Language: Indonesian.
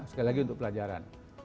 sekali lagi untuk pelajaran